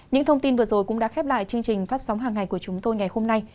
những thông tin vừa rồi cũng đã khép lại chương trình phát sóng hàng ngày của chúng tôi ngày hôm nay